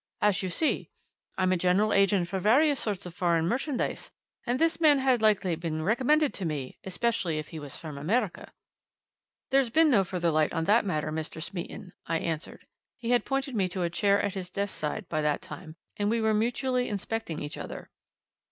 As you see, I'm a general agent for various sorts of foreign merchandise, and this man had likely been recommended to me especially if he was from America." "There's been no further light on that matter, Mr. Smeaton," I answered. He had pointed me to a chair at his desk side by that time, and we were mutually inspecting each other.